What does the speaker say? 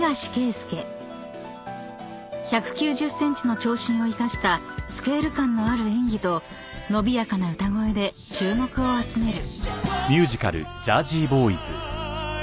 ［１９０ｃｍの長身を生かしたスケール感のある演技と伸びやかな歌声で注目を集める］